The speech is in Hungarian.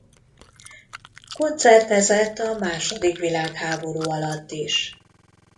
Koncertezett a második világháború alatt is.